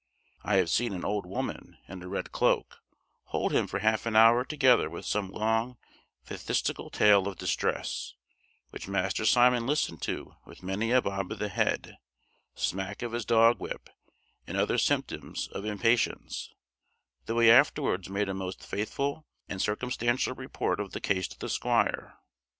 I have seen an old woman, in a red cloak, hold him for half an hour together with some long phthisical tale of distress, which Master Simon listened to with many a bob of the head, smack of his dog whip, and other symptoms of impatience, though he afterwards made a most faithful and circumstantial report of the case to the squire.